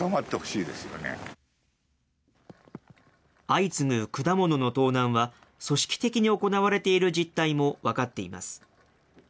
相次ぐ果物の盗難は、組織的に行われている実態も分かっています。